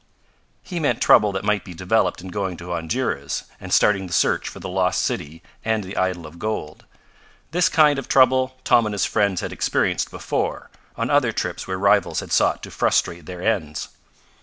He meant trouble that might be developed in going to Honduras, and starting the search for the lost city and the idol of gold. This kind of trouble Tom and his friends had experienced before, on other trips where rivals had sought to frustrate their ends.